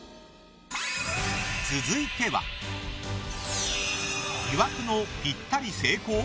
続いては、疑惑のぴったり成功？